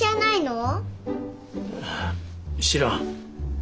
知らん。